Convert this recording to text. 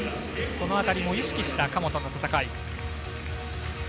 その辺りも意識した神本の戦い。